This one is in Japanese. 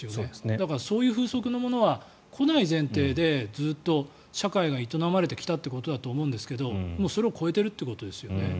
だから、そういう風速のものは来ない前提でずっと社会が営まれてきたということでしょうがそれが起きているということですね。